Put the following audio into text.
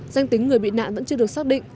danh tính người bị nạn vẫn chưa được xác định